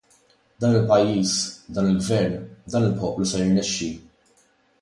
Dan il-pajjiż, dan il-Gvern, dan il-poplu se jirnexxi!